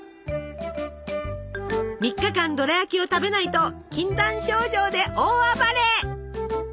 ３日間ドラやきを食べないと禁断症状で大暴れ！